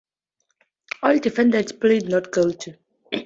All defendants pleaded "not guilty".